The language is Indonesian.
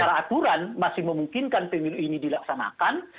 secara aturan masih memungkinkan pemilu ini dilaksanakan